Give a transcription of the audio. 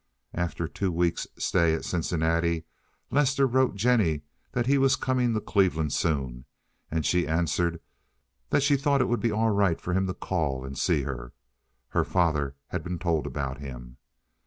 After two weeks' stay at Cincinnati Lester wrote Jennie that he was coming to Cleveland soon, and she answered that she thought it would be all right for him to call and see her. Her father had been told about him.